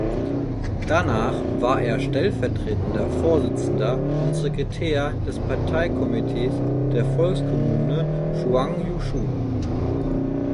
Danach war er stellvertretender Vorsitzender und Sekretär des Parteikomitees der Volkskommune „Shuangyushu“.